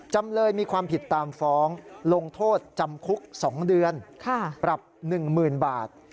จำเลยมีความผิดตามฟ้องลงโทษจำคุก๒เดือนปรับ๑๐๐๐บาท